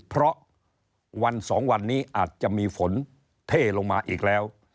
เพราะวันสองวันนี้อาจจะมีฝนเท่ลงมาอีกแล้ว